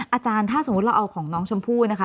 อาจารย์ถ้าสมมุติเราเอาของน้องชมพู่นะคะ